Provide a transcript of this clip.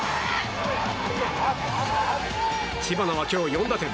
知花は今日４打点。